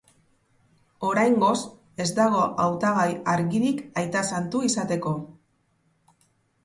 Oraingoz, ez dago hautagai argirik aita santu izateko.